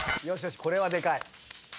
しっこれはでかい。